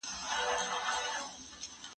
زه مخکي شګه پاکه کړې وه